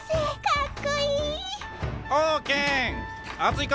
かっこいい！